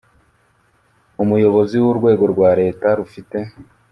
umuyobozi w urwego rwa leta rufite